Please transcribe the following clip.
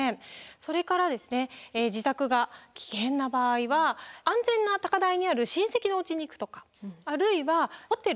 それから自宅が危険な場合は安全な高台にある親戚のおうちに行くとかあるいはホテル。